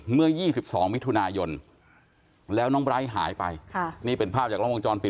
เมื่อ๒๒มิถุนายนแล้วน้องไบร์ทหายไปค่ะนี่เป็นภาพจากล้องวงจรปิด